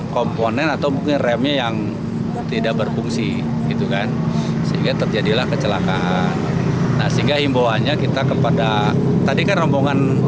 kondisi yang terjadi di bandung